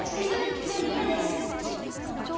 平野ノラです。